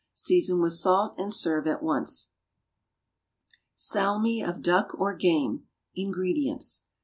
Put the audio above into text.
Season with salt and serve at once. =Salmi of Duck or Game.= INGREDIENTS.